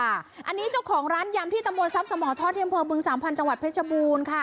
อันนี้เจ้าของร้านยำที่ตำบลทรัพย์สมทอดที่อำเภอบึงสามพันธ์จังหวัดเพชรบูรณ์ค่ะ